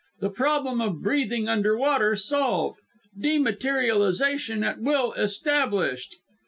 THE PROBLEM OF BREATHING UNDER WATER SOLVED! DEMATERIALIZATION AT WILL ESTABLISHED!"